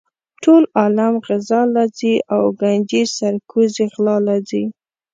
ټول عالم غزا لہ ځی او ګنجي سر کوزے غلا لہ ځی